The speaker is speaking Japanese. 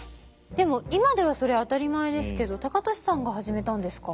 でも今ではそれ当たり前ですけど高利さんが始めたんですか？